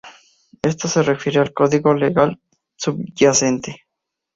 Esto se refiere al código legal subyacente.